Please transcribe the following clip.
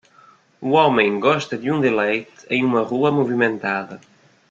Um homem gosta de um deleite em uma rua movimentada.